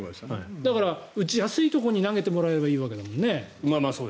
だから打ちやすいところに投げてくれればいいわけだからね。